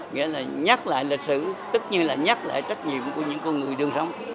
nghĩa là nhắc lại lịch sử tức như là nhắc lại trách nhiệm của những con người đương sống